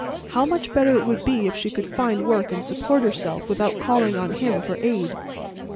How much better it would be if she could find work and support herself without calling on him for aid!